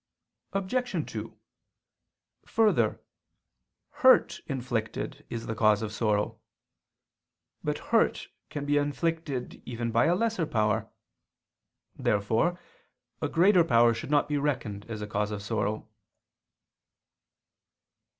Obj. 2: Further, hurt inflicted is the cause of sorrow. But hurt can be inflicted even by a lesser power. Therefore a greater power should not be reckoned as a cause of sorrow.